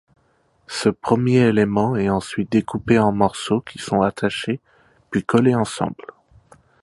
Ce premier élément est ensuite découpé en morceaux qui sont attachés puis collés ensemble.